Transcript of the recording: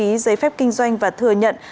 giấy phép kinh doanh và thừa nhận